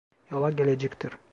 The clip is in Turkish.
Yola gelecektir.